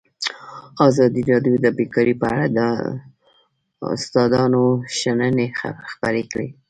ازادي راډیو د بیکاري په اړه د استادانو شننې خپرې کړي.